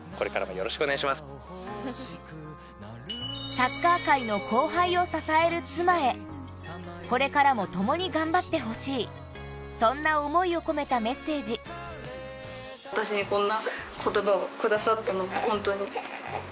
サッカー界の後輩を支える妻へこれからも共に頑張ってほしいそんな思いを込めたメッセージ私にこんな。